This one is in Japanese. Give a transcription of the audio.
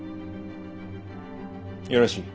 よろしい。